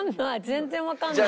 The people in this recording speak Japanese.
全然わかんない。